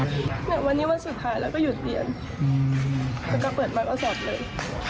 แต่วันนี้วันสุดท้ายแล้วก็หยุดเรียน